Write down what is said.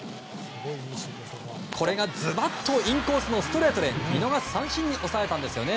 これがズバッとインコースのストレートで見逃し三振に抑えたんですよね